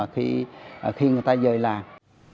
khi người ta rời làng